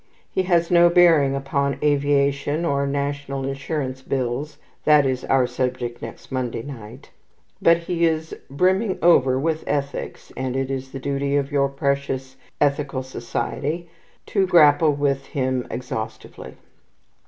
He has no bearing upon aviation, or National Insurance Bills (that is our subject next Monday night); but he is brimming over with ethics, and it is the duty of your precious Ethical Society to grapple with him exhaustively.